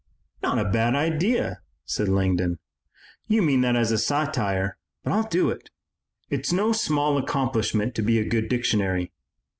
'" "Not a bad idea," said Langdon. "You mean that as satire, but I'll do it. It's no small accomplishment to be a good dictionary.